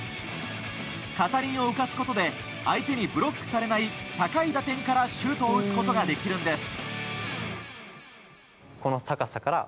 片輪を浮かすことで相手にブロックされない高い打点からシュートを打つことができるんです。